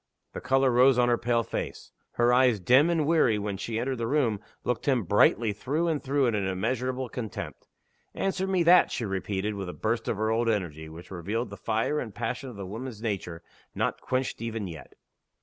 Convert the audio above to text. The color rose on her pale face. Her eyes, dim and weary when she entered the room, looked him brightly through and through in immeasurable contempt. "Answer me that!" she repeated, with a burst of her old energy which revealed the fire and passion of the woman's nature, not quenched even yet!